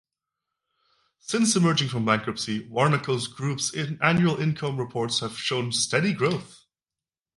Since emerging from bankruptcy, Warnaco Group's annual income Reports have shown steady growth.